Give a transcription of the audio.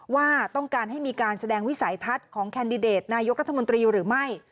ว่าต้องการให้มีการแสดงวิสัยทัศน์ของแคนดิเดตนายกรัฐมนตรีหรือไม่